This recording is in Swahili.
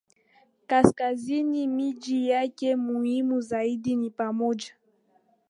Kaskazini Miji yake muhimu zaidi ni pamoja